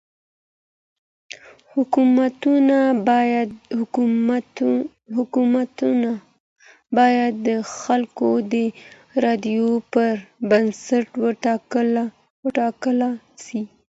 حکومتونه بايد د خلګو د رايو پر بنسټ وټاکل سي.